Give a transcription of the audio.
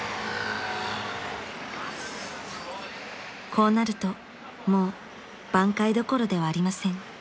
［こうなるともう挽回どころではありません］